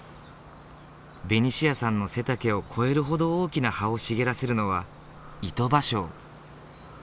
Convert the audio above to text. ベニシアさんの背丈を越えるほど大きな葉を茂らせるのはイトバショウ。